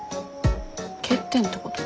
欠点ってこと？